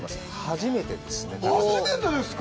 初めてですか。